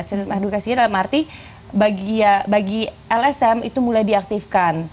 sistem edukasinya dalam arti bagi lsm itu mulai diaktifkan